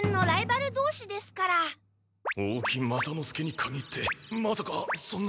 大木雅之助にかぎってまさかそんな！